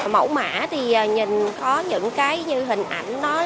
mẫu mã thì nhìn có những cái hình ảnh